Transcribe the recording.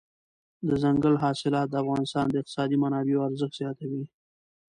دځنګل حاصلات د افغانستان د اقتصادي منابعو ارزښت زیاتوي.